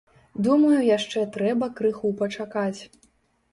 Думаю, яшчэ трэба крыху пачакаць.